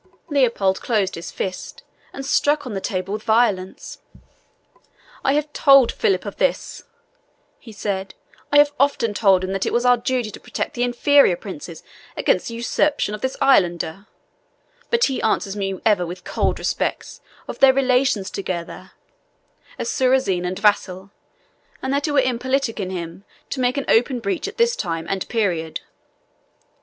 Leopold closed his fist, and struck on the table with violence. "I have told Philip of this," he said. "I have often told him that it was our duty to protect the inferior princes against the usurpation of this islander; but he answers me ever with cold respects of their relations together as suzerain and vassal, and that it were impolitic in him to make an open breach at this time and period."